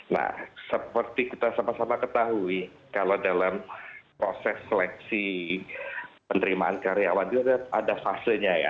nah seperti kita sama sama ketahui kalau dalam proses seleksi penerimaan karyawan itu ada fasenya ya